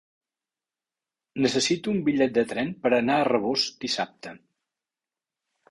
Necessito un bitllet de tren per anar a Rabós dissabte.